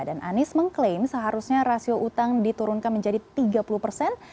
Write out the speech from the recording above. dan anies mengklaim seharusnya rasio utang diturunkan menjadi tiga puluh persen